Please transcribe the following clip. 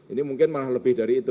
ini mungkin malah lebih dari itu